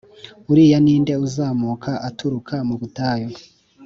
Uriya ni nde uzamuka aturuka mu butayu